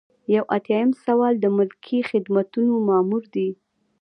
یو ایاتیام سوال د ملکي خدمتونو مامور دی.